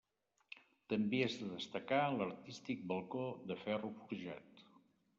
També és de destacar l'artístic balcó de ferro forjat.